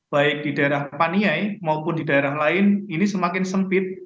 baik di daerah paniai maupun di daerah lain ini semakin sempit